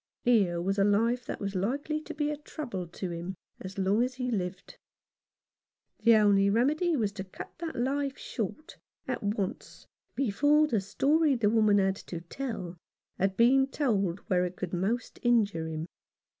Here was a life that was likely to be a trouble to him as long as he lived. The only remedy was to cut that life short, at once, before the story the woman had to tell had been told where it could most injure him.